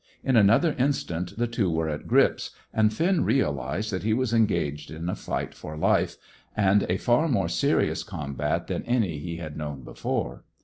In another instant the two were at grips, and Finn realized that he was engaged in a fight for life, and a far more serious combat than any he had known before.